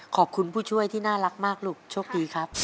ขอบคุณผู้ช่วยที่น่ารักมากลูกโชคดีครับ